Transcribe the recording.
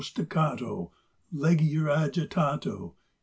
Staccato! Leggier agitato!